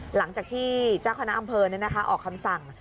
หลังจากที่จ้าคณะอำเภอนั้นนะคะออกคำสั่ง